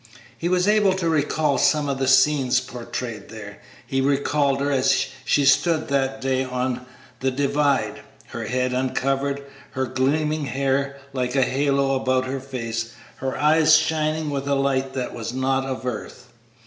He was able to recall some of the scenes portrayed there; he recalled her as she stood that day on the "Divide," her head uncovered, her gleaming hair like a halo about her face, her eyes shining with a light that was not of earth.